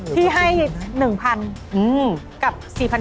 ที่ให้๑๐๐๐กับ๔๐๐